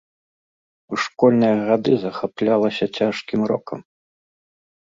У школьныя гады захаплялася цяжкім рокам.